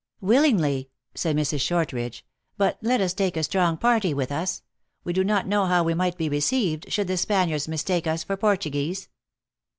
" Willingly," said Mrs. Shortridge. " But let us take a strong party with us. We do not know how we might be received, should the Spaniards mistake us for Portuguese!"